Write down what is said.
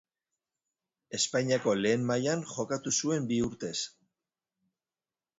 Espainiako lehen mailan jokatu zuen bi urtez.